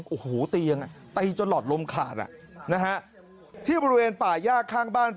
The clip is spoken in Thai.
โอ้โหเตียงอ่ะตีจนหลอดลมขาดอ่ะนะฮะที่บริเวณป่าย่าข้างบ้าน